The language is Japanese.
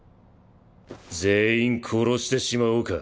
全員殺してしまおうか。